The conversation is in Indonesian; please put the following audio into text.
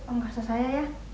om kasih saya ya